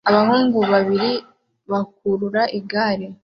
Abahungu babiri bakurura igare